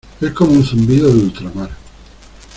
es como un zumbido de ultramar.